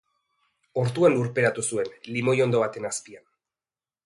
Ortuan lurperatu zuen, limoiondo baten azpian.